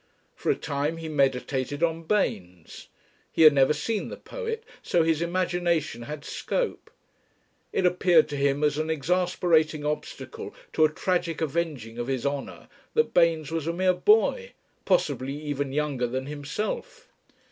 For a time he meditated on Baynes. He had never seen the poet, so his imagination had scope. It appeared to him as an exasperating obstacle to a tragic avenging of his honour that Baynes was a mere boy possibly even younger than himself.